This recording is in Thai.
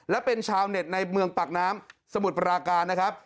และเป็นชาวเน็ตในเมืองปากน้ำสมุทรปราการนะครับ